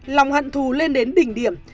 lòng hận thù lên đến đỉnh điểm